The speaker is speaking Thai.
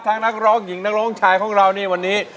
นักร้องหญิงนักร้องชายของเรานี่วันนี้